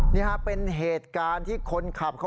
นี่ฮะเป็นเหตุการณ์ที่คนขับเขา